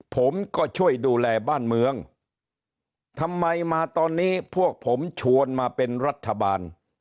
ผมก็ช่วยดูแลบ้านเมืองทำไมมาตอนนี้พวกผมชวนมาเป็นรัฐบาล